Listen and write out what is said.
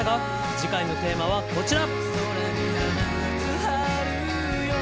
次回のテーマはこちら。